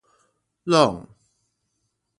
攏